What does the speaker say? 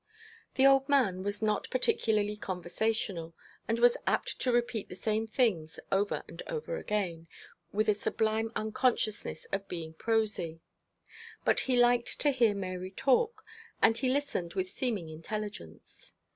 The old man was not particularly conversational, and was apt to repeat the same things over and over again, with a sublime unconsciousness of being prosy; but he liked to hear Mary talk, and he listened with seeming intelligence.